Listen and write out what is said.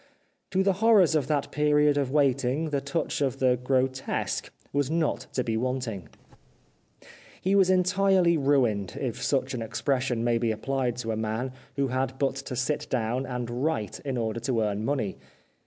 To the horrors of that period of waiting the touch of the grotesque was not to be wanting. 358 The Life of Oscar Wilde He was entirely ruined, if such an expression may be applied to a man who had but to sit down and write in order to earn money.